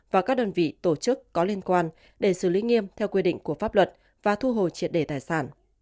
và các đơn vị tổ chức có liên quan để xử lý nghiêm theo quy định của pháp luật và thu hồi triệt đề tài sản